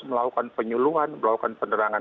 melakukan penyulungan melakukan penerangan